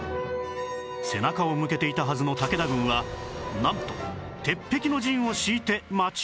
背中を向けていたはずの武田軍はなんと鉄壁の陣を敷いて待ち受けていた